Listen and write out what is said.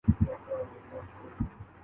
جنہوں نے روزہ رکھنا ہو رکھتے ہیں۔